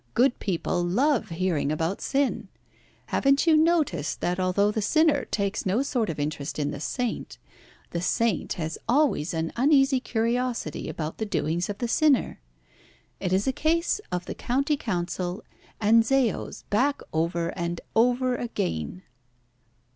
Good people love hearing about sin. Haven't you noticed that although the sinner takes no sort of interest in the saint, the saint has always an uneasy curiosity about the doings of the sinner? It is a case of the County Council and Zaeo's back over and over again."